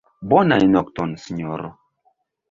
Bonan nokton, sinjoro.